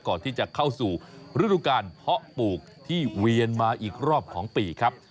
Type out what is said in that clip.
ก่อนที่จะเข้าสู่ฤดูการเพาะปลูกที่เวียนมาอีกรอบของปีครับ